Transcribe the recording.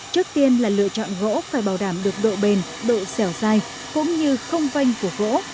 trước tiên là lựa chọn gỗ phải bảo đảm được độ bền độ dẻo dài cũng như không vanh của gỗ